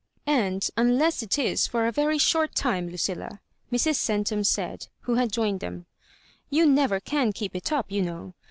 " And unless it is for a very short time, Lucilla," 'Mrs. Centum said, who had joined them, "you never can keep it up, you know.